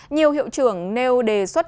nhiều hiệu trưởng nêu đề xuất